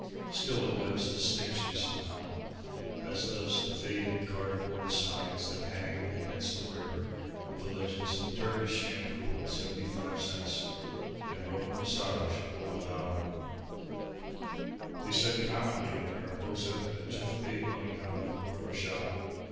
Still, it lends distinction somehow, just as do the faded cardboard signs that hang against the mirror with the legends: TURKISH SHAMPOO, 75 CENTS, and ROMAN MASSAGE, $1.00. They said commonly in Mariposa that Jeff made money out of the barber shop.